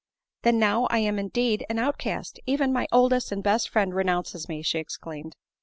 " Then now I am indeed an outcast! even my oldest and best friend renounces me," she exclaimed.